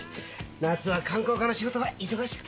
夏は観光課の仕事が忙しくてさ。